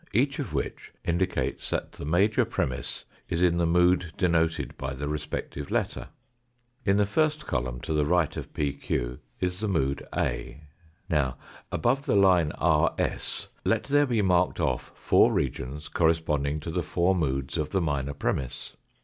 each of which indicates that the major premiss is in the mood denoted by the respective letter. In the first column to the right of PQ is Q o o s R PA E I Fig. 51. the mood A. Now above the line RS let there be marked off four regions corresponding to the four moods of the minor premiss.